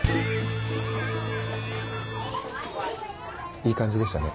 いい感じでしたね